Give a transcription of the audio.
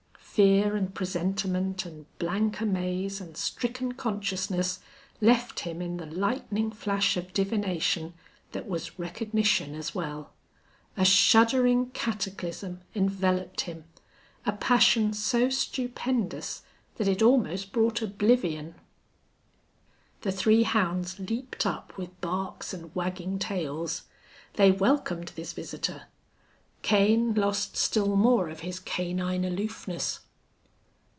Fear and presentiment and blank amaze and stricken consciousness left him in the lightning flash of divination that was recognition as well. A shuddering cataclysm enveloped him, a passion so stupendous that it almost brought oblivion. The three hounds leaped up with barks and wagging tails. They welcomed this visitor. Kane lost still more of his canine aloofness.